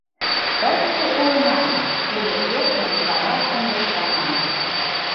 — Тыште улына! — уло кертмын карал шындыш Раман.